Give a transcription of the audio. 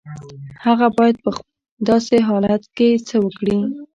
هغه بايد په داسې حالت کې څه وکړي؟